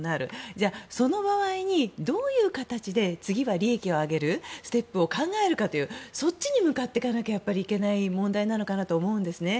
じゃあ、その場合にどういう形で次は利益を上げるステップを考えるかというそっちに向かっていかなければいけない問題なのかなと思うんですね。